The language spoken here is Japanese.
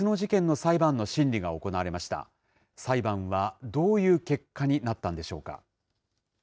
裁判はどういう結果になったんでしょうか。